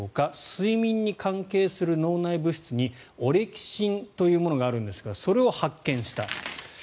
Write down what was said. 睡眠に関係する脳内物質にオレキシンというものがあるんですが、それを発見した。